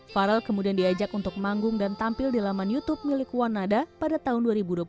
farel kemudian diajak untuk manggung dan tampil di laman youtube milik wanada pada tahun dua ribu dua puluh satu